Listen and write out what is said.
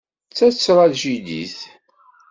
D tatrajdidit.